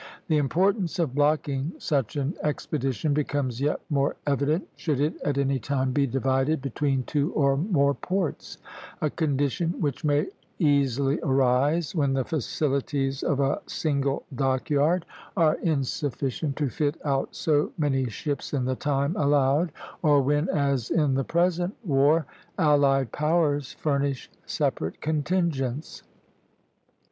The importance of blocking such an expedition becomes yet more evident should it at any time be divided between two or more ports, a condition which may easily arise when the facilities of a single dock yard are insufficient to fit out so many ships in the time allowed, or when, as in the present war, allied powers furnish separate contingents.